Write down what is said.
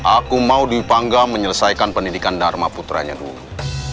aku mau dwi pangga menyelesaikan pendidikan dharma putranya dulu